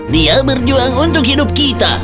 dia berjuang untuk hidup kita